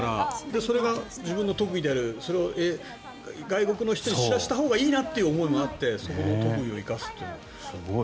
それが自分の特技であるそれを外国の人に知らせたほうがいいなという思いもあってその特技を生かすというのは。